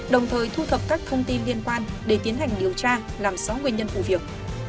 đồng thời thu thập các thông tin liên quan để tiến hành điều tra làm rõ nguyên nhân vụ việc